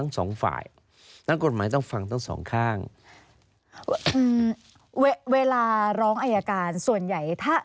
สองฝ่ายนักกฎหมายต้องฟังทั้งสองข้างอืมเวลาร้องอายการส่วนใหญ่ถ้า